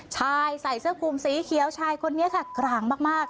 ชายใส่เสื้อคุมสีเขียวชายคนนี้ค่ะกลางมาก